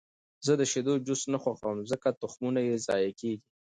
زه د شیدو جوس نه خوښوم، ځکه تخمونه یې ضایع کېږي.